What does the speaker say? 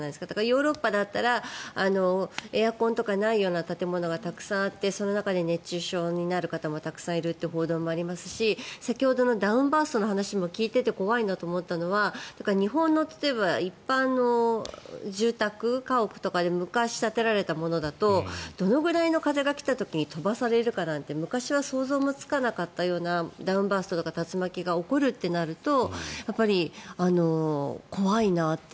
ヨーロッパだったらエアコンとかがないような建物がたくさんあって、その中で熱中症になる方もたくさんいるという報道もありますし先ほどのダウンバーストの話も聞いていて怖いなと思ったのは日本の例えば一般の住宅、家屋とかで昔に建てられたものだとどのくらいの風が来た時に飛ばされるかなんて昔は想像もつかなかったようなダウンバーストとか竜巻が起こるとなると怖いなって。